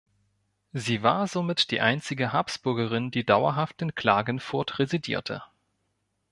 Sie war somit die einzige Habsburgerin, die dauerhaft in Klagenfurt residierte.